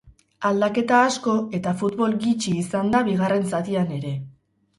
Aldaketa asko eta futbol gitxi izan da bigarren zatian ere.